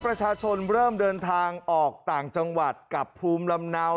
ประชาชนเริ่มเดินทางออกต่างจังหวัดกับภูมิลำเนา